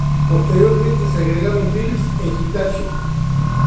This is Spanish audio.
Posteriormente se agregaron Philips e Hitachi.